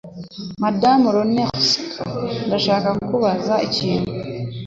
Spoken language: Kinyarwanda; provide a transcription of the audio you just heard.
Madamu Ionescu, Ndashaka kukubaza ikintu.